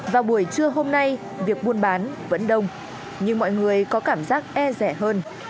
vào buổi trưa hôm nay việc buôn bán vẫn đông nhưng mọi người có cảm giác e rẻ hơn